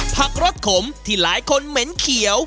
รสขมที่หลายคนเหม็นเขียว